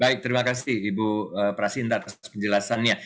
baik terima kasih ibu prasinta atas penjelasannya